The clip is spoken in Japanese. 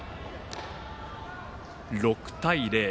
６対０。